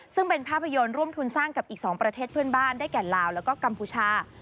ซึ่งเป็นภาพยนตร์ร่วมทุนสร้างกับอีก๒ประเทศเพื่อนบ้านได้แก่ลาวแล้วก็กัมพูชา